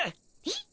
えっ？